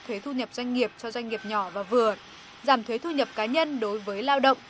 thuế thu nhập doanh nghiệp cho doanh nghiệp nhỏ và vừa giảm thuế thu nhập cá nhân đối với lao động